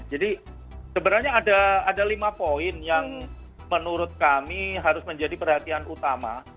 sebenarnya ada lima poin yang menurut kami harus menjadi perhatian utama